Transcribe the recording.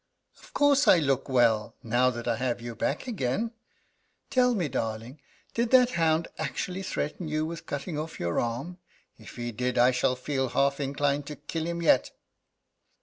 "Of course I look well, now that I have you back again. Tell me, darling, did that hound actually threaten you with cutting off your arm? If he did, I shall feel half inclined to kill him yet."